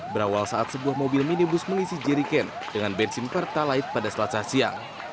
berawal saat sebuah mobil minibus mengisi jerigen dengan bensin kerta light pada selasa siang